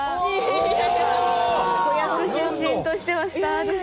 子役出身としてはスターです